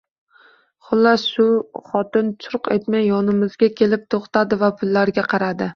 Xullas, shu xotin churq etmay yonimizga kelib to`xtadi va pullarga qaradi